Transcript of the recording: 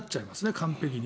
完璧に。